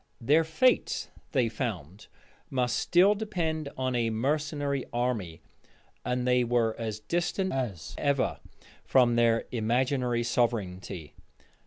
Their fate, they found, must still depend on a mercenary army; and they were as distant as ever from their imaginary sovereignty.